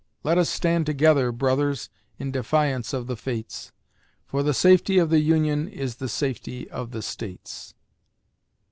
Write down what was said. Let us stand together, brothers, In defiance of the Fates; For the safety of the Union Is the safety of the States!